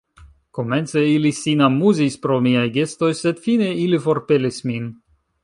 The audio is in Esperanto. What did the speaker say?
Komence ili sin amuzis pro miaj gestoj, sed fine ili forpelis min.